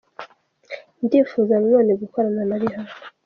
Ndifuza na none gukorana na Rihanna.